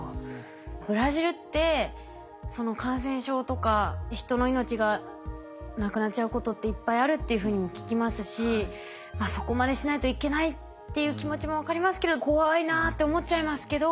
ブラジルって感染症とか人の命がなくなっちゃうことっていっぱいあるっていうふうにも聞きますしそこまでしないといけないっていう気持ちも分かりますけど怖いなぁって思っちゃいますけど。